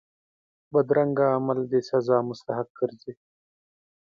بدرنګه عمل د سزا مستحق ګرځي